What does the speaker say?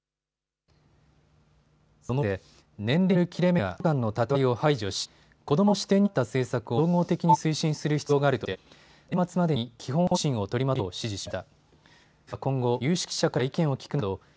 そのうえで年齢による切れ目や省庁間の縦割りを排除し子どもの視点に立った政策を総合的に推進する必要があるとして年末までに基本方針を取りまとめるよう指示しました。